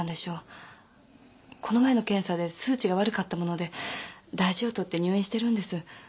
この前の検査で数値が悪かったもので大事を取って入院してるんです。